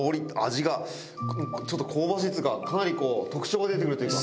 味がちょっと香ばしいっつうかかなり特徴が出てくるというか。